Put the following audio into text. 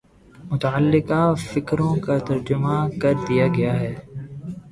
متعلقہ فقروں کا ترجمہ کر دیا گیا ہے